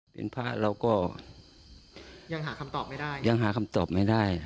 เป็นพระเราก็ยังหาคำตอบไม่ได้ยังหาคำตอบไม่ได้